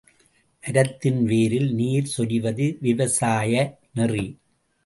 மரத்தின் வேரில் நீர் சொரிவது விவசாய நெறி.